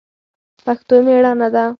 پښتو مېړانه ده